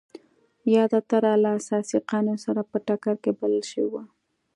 یاده طرحه له اساسي قانون سره په ټکر کې بلل شوې وه.